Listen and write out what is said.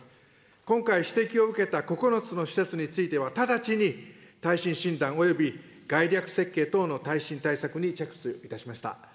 今回、指摘を受けた９つの施設については直ちに耐震診断および概略設計等の耐震対策に着手いたしました。